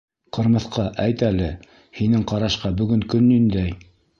— Ҡырмыҫҡа, әйт әле, һинең ҡарашҡа, бөгөн көн ниндәй?